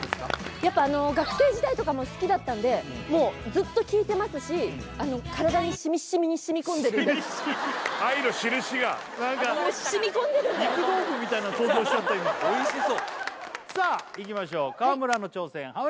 やっぱあの学生時代とかも好きだったんでもうずっと聴いてますし体にしみっしみに染み込んでるしみっしみ愛のしるしがもう染み込んでるんでおいしそうさあいきましょう川村の挑戦ハモリ